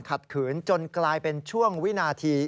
ขืนจนกลายเป็นช่วงวินาที